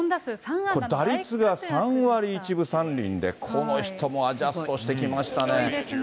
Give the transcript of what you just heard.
打率が３割１分３厘で、この人もアジャストしてきましたね。